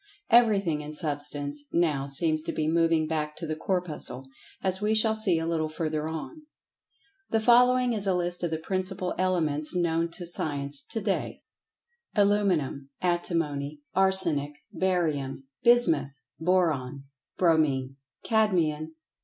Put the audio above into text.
Everything in Substance now seems to be moving back to the Corpuscle, as we shall see a little further on. The following is a list of the principal Elements, known to Science, to day: Aluminum. Antimony. Arsenic. Barium. Bismuth. Boron. Bromine. Cadmium.